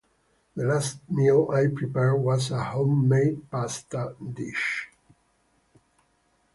The last meal I prepared was a homemade pasta dish.